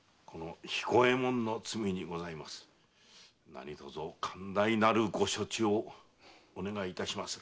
何とぞ寛大なるご処置をお願いいたします。